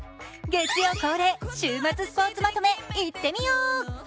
月曜恒例、週末スポーツまとめいってみよう！